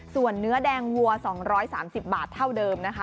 ส่วนเนื้อแดงวัว๒๓๐บาทเท่าเดิมนะคะ